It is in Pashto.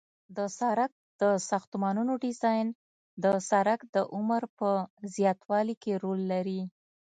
د سرک د ساختمانونو ډیزاین د سرک د عمر په زیاتوالي کې رول لري